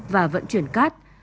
và vận chuyển cát